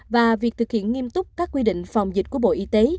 và việc thực hiện nghiêm túc các quy định phòng dịch của bộ y tế